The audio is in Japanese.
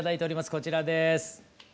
こちらです。